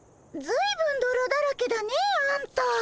ずいぶんどろだらけだねえあんた。